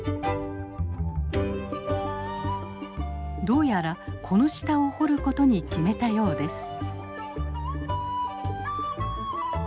どうやらこの下を掘ることに決めたようです。